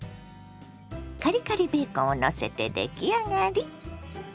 カリカリベーコンをのせて出来上がり。